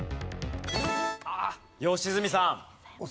良純さん。